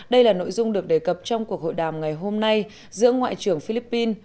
đây là nội dung được đề cập trong cuộc hội đàm ngày hôm nay giữa ngoại trưởng philippines